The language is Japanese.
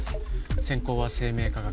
専攻は生命科学